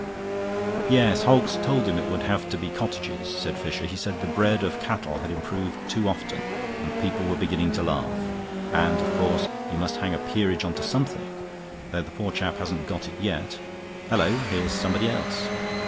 "Yes; Hoggs told him it would have to be cottages," said Fisher. "He said the breed of cattle had improved too often, and people were beginning to laugh. And, of course, you must hang a peerage on to something; though the poor chap hasn't got it yet. Hullo, here's somebody else."